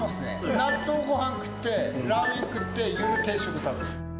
納豆ごはん食って、ラーメン食って、夜、定食食べる。